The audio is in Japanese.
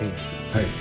はい。